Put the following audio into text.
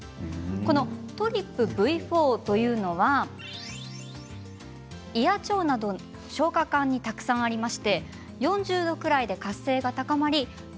このＴＲＰＶ４というのは胃や腸などの消化管にたくさんあります。